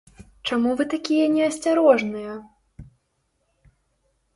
Чаму вы такія неасцярожныя?